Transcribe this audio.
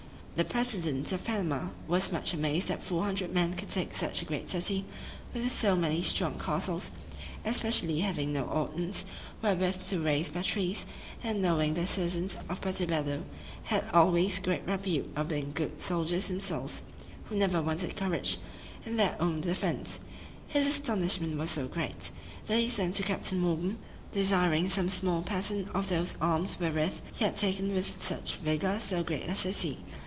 The president of Panama was much amazed that four hundred men could take such a great city, with so many strong castles, especially having no ordnance, wherewith to raise batteries, and, knowing the citizens of Puerto Bello had always great repute of being good soldiers themselves, who never wanted courage in their own defence. His astonishment was so great, that he sent to Captain Morgan, desiring some small pattern of those arms wherewith he had taken with such vigor so great a city.